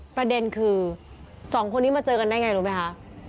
ประเด็นคือสองคนนี้มาเจอกันได้ไงรู้ไหมคะ